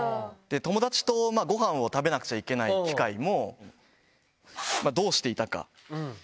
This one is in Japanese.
友達とごはんを食べなくちゃいけない機会も、どうしていたか。